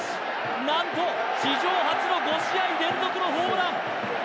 何と史上初の５試合連続のホームラン！